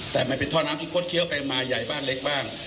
แต่มันเป็นท่อน้ำที่คดเคี้ยวไปมาใหญ่บ้านเล็กบ้าง